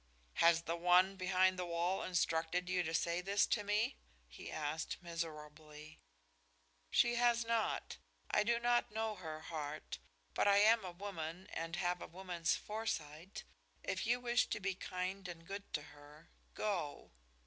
"Has the one behind the wall instructed you to say this to me?" he asked miserably. "She has not. I do not know her heart, but I am a woman and have a woman's foresight. If you wish to be kind and good to her, go!"